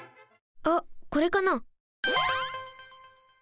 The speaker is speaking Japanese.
あっこれかな？